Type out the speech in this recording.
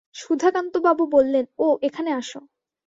সুধাকান্তবাবু বললেন, ও এখনো আসে।